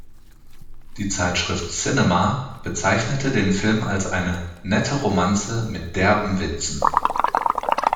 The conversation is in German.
Die Zeitschrift "Cinema" bezeichnete den Film als eine „nette Romanze mit derben Witzen“.